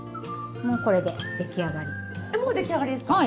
もうこれで出来上がりです。